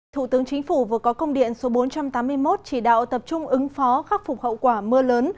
thủ tướng chính phủ vừa có công điện số bốn trăm tám mươi một chỉ đạo tập trung ứng phó khắc phục hậu quả mưa lớn